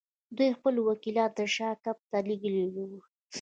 دوی خپل وکیلان د شاه کمپ ته لېږلي ول.